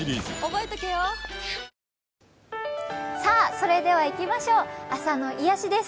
それではいきましょう、朝の癒やしです。